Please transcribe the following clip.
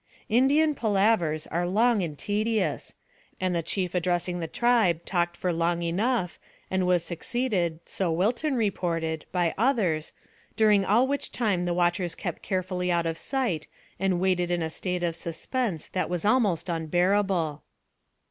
Indian palavers are long and tedious, and the chief addressing the tribe talked for long enough, and was succeeded, so Wilton reported, by others, during all which time the watchers kept carefully out of sight and waited in a state of suspense that was almost unbearable.